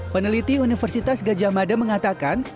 peneliti universitas gajah mada mengatakan